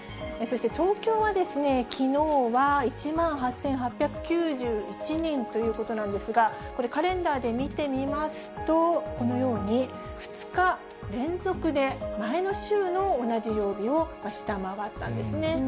そして、東京はきのうは、１万８８９１人ということなんですが、これ、カレンダーで見てみますと、このように、２日連続で前の週の同じ曜日を下回ったんですね。